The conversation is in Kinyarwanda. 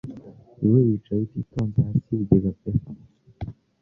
Wowe wicaye utitonze hasi y'ibigega pe